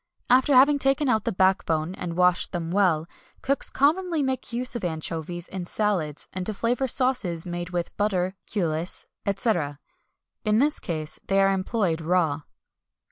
After having taken out the backbone, and washed them well, cooks commonly make use of anchovies in salads, and to flavour sauces made with butter, cullis, &c. In this case they are employed raw.